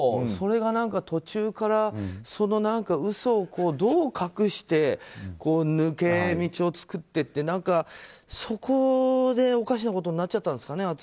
それが途中から嘘をどう隠して抜け道を作ってと何か、そこでおかしなことになっちゃったんですかね。